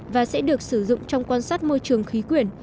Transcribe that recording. và sẽ được sử dụng trong quan sát môi trường khí quyển